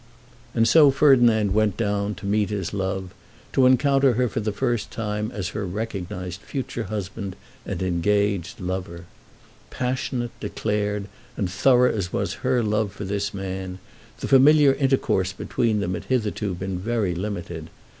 And so Ferdinand went down, to meet his love, to encounter her for the first time as her recognised future husband and engaged lover. Passionate, declared, and thorough as was her love for this man, the familiar intercourse between them had hitherto been very limited.